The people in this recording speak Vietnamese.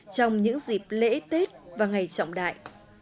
trong những dịp lễ tết và ngày trọng đại